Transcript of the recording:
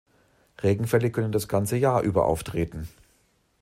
Regenfälle können das ganze Jahr über auftreten.